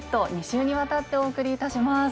２週にわたってお送りいたします。